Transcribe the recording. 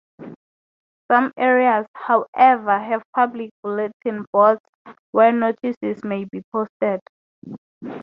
Some areas, however, have public bulletin boards where notices may be posted.